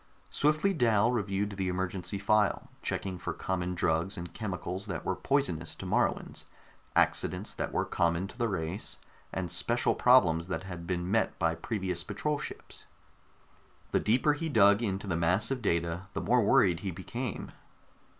Swiftly Dal reviewed the emergency file, checking for common drugs and chemicals that were poisonous to Moruans, accidents that were common to the race, and special problems that had been met by previous patrol ships. The deeper he dug into the mass of data, the more worried he became.